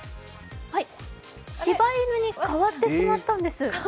しば犬に変わってしまったんです。